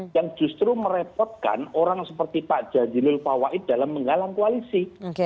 yang justru merepotkan orang seperti pak jazilul pawaid dalam menggalang koalisi